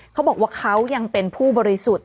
เขาบอกว่าเขายังเป็นผู้บริสุทธิ์